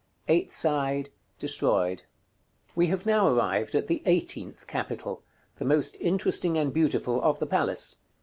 Eighth side. Destroyed. § CVI. We have now arrived at the EIGHTEENTH CAPITAL, the most interesting and beautiful of the palace.